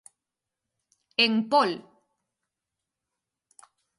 En Pol.